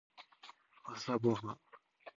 朝ごはん